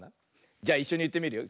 じゃいっしょにいってみるよ。